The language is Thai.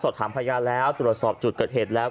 สอบถามพญาแล้วตรวจสอบจุดเกิดเหตุแล้ว